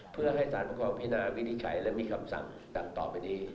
เพื่อให้สารประกอบพินาวินิจฉัยและมีคำสั่งดังต่อไปนี้